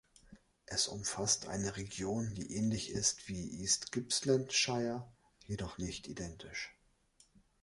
Es umfasst eine Region, die ähnlich ist wie East Gippsland Shire, jedoch nicht identisch.